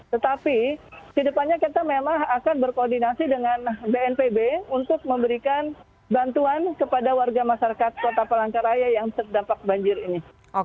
tetapi di depannya kita memang akan berkoordinasi dengan bnpb untuk memberikan bantuan kepada warga masyarakat kota palangkaraya yang terdampak banjir ini